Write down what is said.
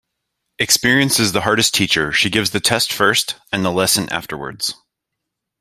Experience is the hardest teacher. She gives the test first and the lesson afterwards.